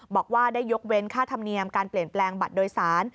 บอกว่าได้ยกเว้นค่าธรรมเนียมการเปลี่ยนแปลงบัตรโดยสาร